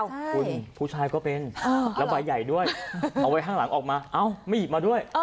คุณผู้ชายก็เป็นแล้วใบใหญ่ด้วยเอาไว้ข้างหลังออกมาเอ้าไม่หยิบมาด้วย